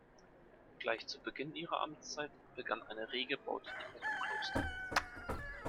Gleich zu Beginn ihrer Amtszeit begann eine rege Bautätigkeit am Kloster.